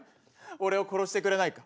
俺を殺してくれないか？